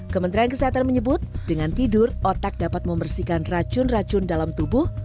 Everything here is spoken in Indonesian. kementerian kesehatan menyebut dengan tidur otak dapat membersihkan racun racun dalam tubuh